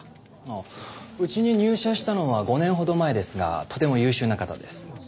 うちに入社したのは５年ほど前ですがとても優秀な方です。